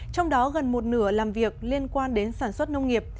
trong đó gần một nửa làm việc liên quan đến sản xuất nông nghiệp